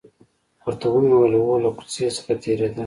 ورته ومې ویل: هو، له کوڅې څخه تېرېدل.